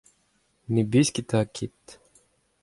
ne besketa ket.